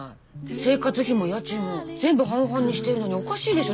生活費も家賃も全部半々にしてるのにおかしいでしょ。